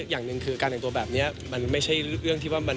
อย่างหนึ่งก็คือการเปลี่ยนตัวตรงนี้มันไม่เกิดแผนเกิดอย่างขวัง